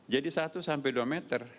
jadi satu sampai dua meter